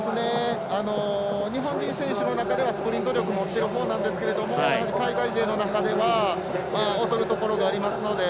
日本人選手のなかではスプリント力持ってるほうですがやはり海外勢の中では劣るところがありますので。